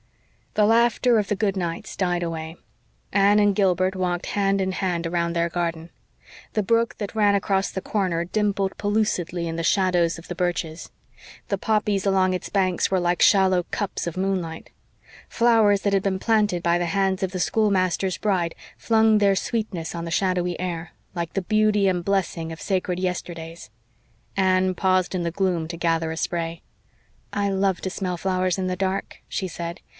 The laughter of the goodnights died away. Anne and Gilbert walked hand in hand around their garden. The brook that ran across the corner dimpled pellucidly in the shadows of the birches. The poppies along its banks were like shallow cups of moonlight. Flowers that had been planted by the hands of the schoolmaster's bride flung their sweetness on the shadowy air, like the beauty and blessing of sacred yesterdays. Anne paused in the gloom to gather a spray. "I love to smell flowers in the dark," she said.